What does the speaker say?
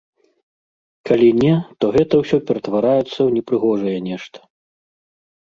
Калі не, то гэта ўсё ператвараецца ў непрыгожае нешта.